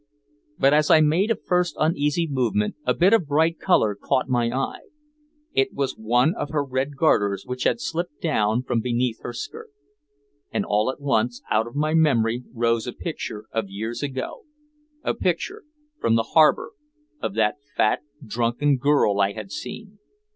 But as I made a first uneasy movement, a bit of bright color caught my eye. It was one of her red garters which had slipped down from beneath her skirt. And all at once out of my memory rose a picture of years ago, a picture from the harbor, of that fat drunken girl I had seen.